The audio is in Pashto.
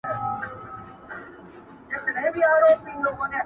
نه هغه ښکلي پخواني خلک په سترګو وینم.!